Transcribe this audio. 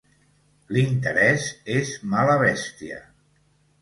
L'interès és mala bèstia.